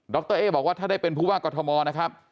ดรเอ๊บอกว่าถ้าได้เป็นภูวากรธมหมอนะครับ